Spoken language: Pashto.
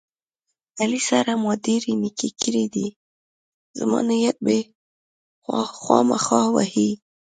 علي سره ما ډېرې نیکۍ کړې دي، زما نیت به یې خواخما وهي.